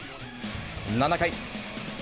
７回。